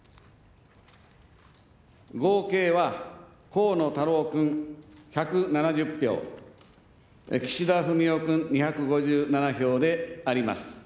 合計は、河野太郎君、１７０票、岸田文雄君、２５７票であります。